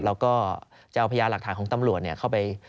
เราก็จะเอาพยานหลักฐานของตำรวจเข้าไป